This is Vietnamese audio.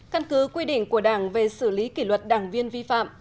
căn cứ quy định của đảng về xử lý kỷ luật đảng viên vi phạm